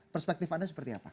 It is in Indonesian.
perspektif anda seperti apa